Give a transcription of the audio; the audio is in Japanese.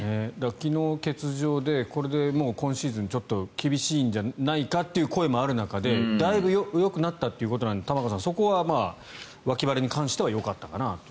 昨日、欠場でこれで今シーズンちょっと厳しいんじゃないかという声もある中でだいぶよくなったということなので玉川さん、そこは脇腹に関してはよかったかなと。